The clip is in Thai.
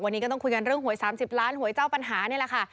วันนี้ก็ต้องคุยกันเรื่องหวย๓๐ล้านหวยเจ้าปัญหานี่แหละค่ะ